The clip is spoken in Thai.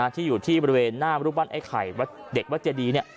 ที่อยู่ที่บริเวณหน้ารูปบ้านไอ้ไข่เด็กวัดเจดี